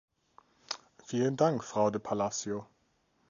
Vielen Dank Frau de Palacio.